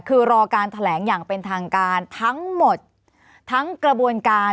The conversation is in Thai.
คือรอการแถลงอย่างเป็นทางการทั้งหมดทั้งกระบวนการ